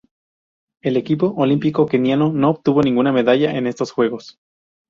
El equipo olímpico keniano no obtuvo ninguna medalla en estos Juegos.